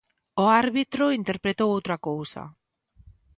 O árbitro interpretou outra cousa.